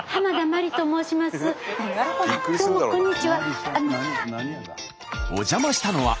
どうもこんにちは。